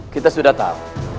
kita sudah tahu